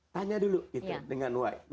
tanya dulu dengan why